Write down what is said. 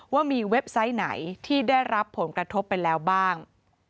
ว่ามีเว็บไซต์ไหนที่ได้รับผลกระทบไปแล้วบ้าง